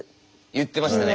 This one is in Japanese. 言ってましたね